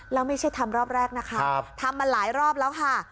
แล้วไม่ใช่ทำรอบแรกนะคะทำมาหลายรอบแล้วค่ะ